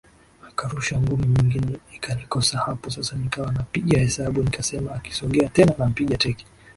akarusha ngumi nyingine ikanikosa Hapo sasa nikawa napiga hesabu Nikasema akisogea tena nampiga teke